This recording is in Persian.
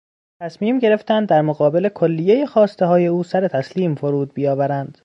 تصمیم گرفتند در مقابل کلیهی خواستههای او سر تسلیم فرود بیاورند.